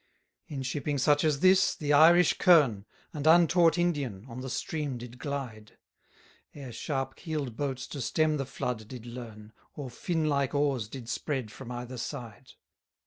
157 In shipping such as this, the Irish kern, And untaught Indian, on the stream did glide: Ere sharp keel'd boats to stem the flood did learn, Or fin like oars did spread from either side.